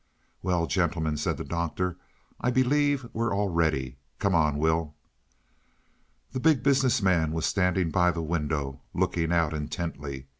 "Well, gentlemen," said the Doctor, "I believe we're all ready. Come on, Will." The Big Business Man was standing by the window, looking out intently.